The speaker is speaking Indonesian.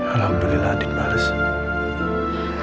alhamdulillah andin bales